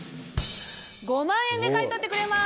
５万円で買い取ってくれます！